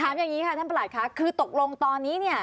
อย่างนี้ค่ะท่านประหลัดค่ะคือตกลงตอนนี้เนี่ย